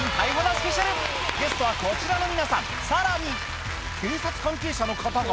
スペシャルゲストはこちらの皆さんさらに警察関係者の方が？